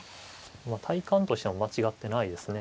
体感としても間違ってないですね。